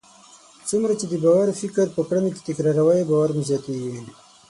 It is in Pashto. څومره چې د باور فکر په کړنو کې تکراروئ، باور مو زیاتیږي.